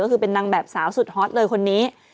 ก็คือเป็นนางแบบสาวสุดฮอตเลยคนนี้